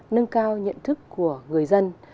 nâng cao nhận thức của người dân